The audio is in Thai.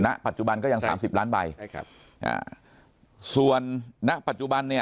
ณปัจจุบันก็ยังสามสิบล้านใบใช่ครับอ่าส่วนณปัจจุบันเนี่ย